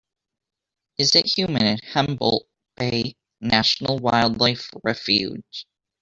is it humid in Humboldt Bay National Wildlife Refuge